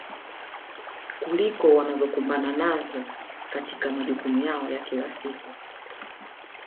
kuliko wanazokumbana nazo katika majukumu yao ya kila siku